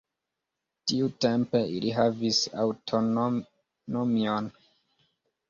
Tiutempe ili havis aŭtonomion.